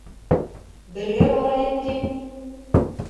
—Бергә барайым, тим.